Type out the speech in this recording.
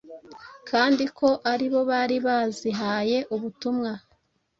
kandi ko ari bo bari bazihaye ubutumwa